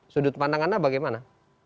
sudut pandang anda bagaimana